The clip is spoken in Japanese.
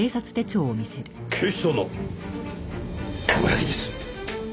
警視庁の冠城です。